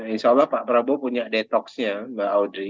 insya allah pak prabowo punya detoxnya mbak audrey